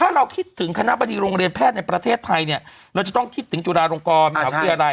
ถ้าเราคิดถึงคณะบดีโรงเรียนแพทย์ในประเทศไทยเนี่ยเราจะต้องคิดถึงจุฬาลงกรมหาวิทยาลัย